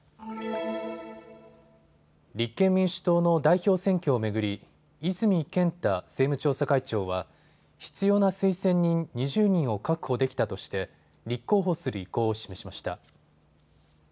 立憲民主党の代表選挙を巡り泉健太政務調査会長は必要な推薦人２０人を確保できたとして立候補する意向を示しました。